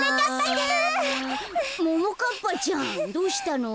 ももかっぱちゃんどうしたの？